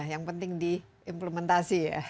yang penting diimplementasi